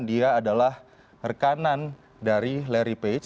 dia adalah rekanan dari larry page